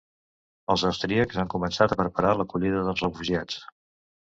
Els austríacs han començat a preparar l’acollida dels refugiats.